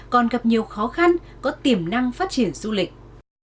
còn gặp nhiều khó khăn có tiềm năng phát triển du lịch